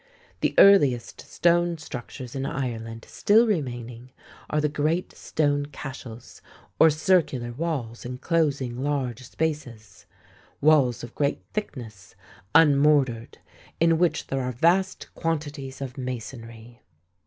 The earliest stone structures in Ireland still remaining are the great stone cashels or circular walls enclosing large spaces walls of great thickness, unmortared, in which there are vast quantities of masonry.